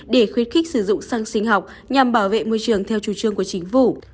để khuyến khích sử dụng xăng sinh học nhằm bảo vệ môi trường theo chủ trương của chính phủ